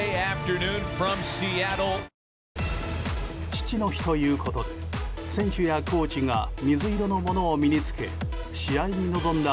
父の日ということで選手やコーチが水色のものを身に着け試合に臨んだ